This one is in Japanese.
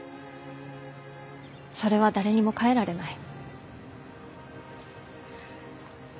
それは誰にも変えられない。